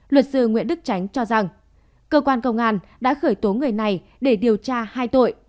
luật sư nguyễn đức tránh cho rằng cơ quan công an đã khởi tố người này để điều tra hai tội